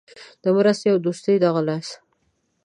د مرستې او دوستۍ دغه لاس.